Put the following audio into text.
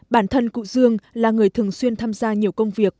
bản thân cụ dương là người thường xuyên tham gia nhiều công việc